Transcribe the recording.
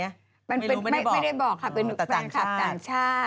ไม่ได้บอกครับเป็นฝั่งคาดต่างชาติ